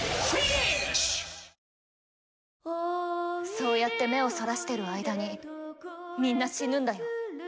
そうやって目をそらしてる間にみんな死ぬんだよ。